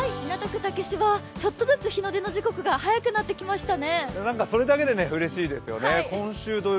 竹芝はちょっとずつ日の出の時刻が早くなってきましたね。